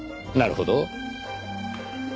なるほど。